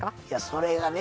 それがね